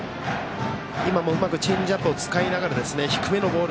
今もうまくチェンジアップを使いながら、低めのボール。